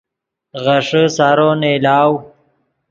غیݰے سارو نئیلاؤ